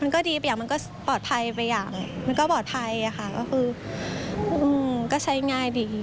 ก็ดีจริงมันก็ปลอดภัยต่ออย่างเนี่ยก็ใช้ง่ายดี